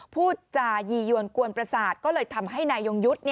พูดจายียวนกวนประสาทก็เลยทำให้นายยงยุทธ์